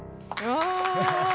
うわ！